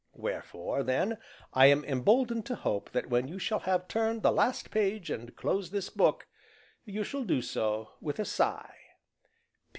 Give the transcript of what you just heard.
Wherefore, then, I am emboldened to hope that when you shall have turned the last page and closed this book, you shall do so with a sigh.